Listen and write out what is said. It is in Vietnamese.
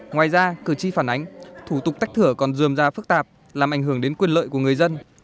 ngoài ra cử tri phản ánh thủ tục tách thửa còn dườm ra phức tạp làm ảnh hưởng đến quyền lợi của người dân